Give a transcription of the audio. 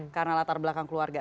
karena latar belakang keluarga